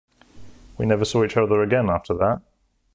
We never saw each other again after that.